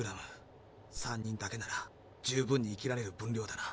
３人だけなら十分に生きられる分量だな。